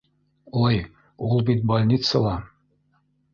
Ой, ул бит больницала!